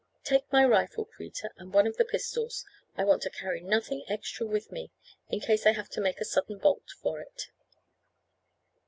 Take my rifle, Kreta, and one of the pistols; I want to carry nothing extra with me, in case I have to make a sudden bolt for it."